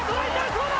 どうだ？